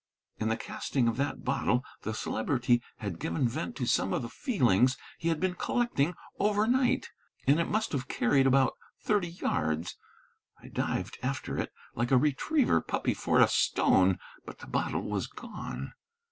In the casting of that bottle the Celebrity had given vent to some of the feelings he had been collecting overnight, and it must have carried about thirty yards. I dived after it like a retriever puppy for a stone; but the bottle was gone!